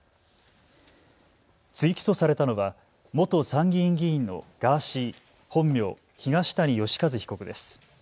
追起訴されたのは元参議院議員のガーシー、本名・東谷義和被告です。